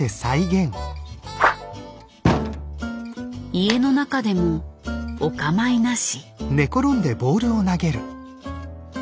家の中でもお構いなし。